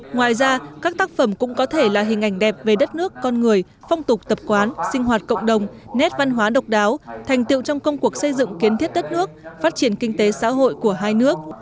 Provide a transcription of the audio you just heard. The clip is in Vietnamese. ngoài ra các tác phẩm cũng có thể là hình ảnh đẹp về đất nước con người phong tục tập quán sinh hoạt cộng đồng nét văn hóa độc đáo thành tiệu trong công cuộc xây dựng kiến thiết đất nước phát triển kinh tế xã hội của hai nước